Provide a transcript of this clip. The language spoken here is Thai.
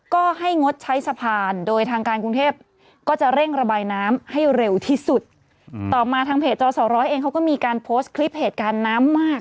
เค้าก็มีทางเพจจอ๒๐๐เองก็มีการโพสต์คลิปเหตุการณ์น้ำมาก